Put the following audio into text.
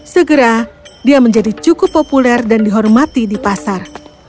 segera dia menjadi cukup populer dan dihormati di pasar